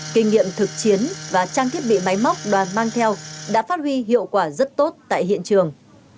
kinh nghiệm thực chiến và trang thiết bị máy móc đoàn mang theo đã phát huy hiệu quả rất tốt tại hiện trường